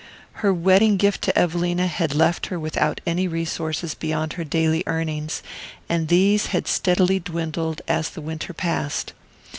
Her wedding gift to Evelina had left her without any resources beyond her daily earnings, and these had steadily dwindled as the winter passed.